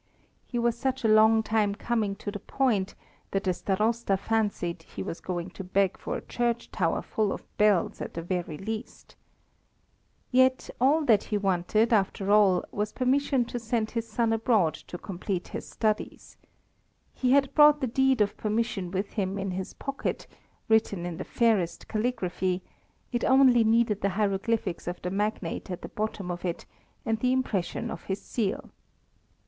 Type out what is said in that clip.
He was such a long time coming to the point that the Starosta fancied he was going to beg for a church tower full of bells at the very least. Yet all that he wanted, after all, was permission to send his son abroad to complete his studies. He had brought the deed of permission with him in his pocket, written in the fairest caligraphy, it only needed the hieroglyphics of the magnate at the bottom of it and the impression of his seal.